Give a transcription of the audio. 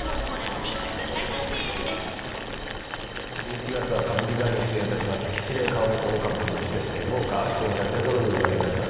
１１月は歌舞伎座に出演いたします「吉例顔見世大歌舞伎」として豪華出演者勢ぞろいで上演いたします